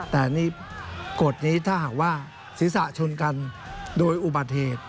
แต่นี่กฎนี้ถ้าหากว่าศีรษะชนกันโดยอุบัติเหตุ